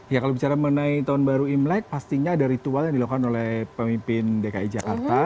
ya kalau bicara mengenai tahun baru imlek pastinya ada ritual yang dilakukan oleh pemimpin dki jakarta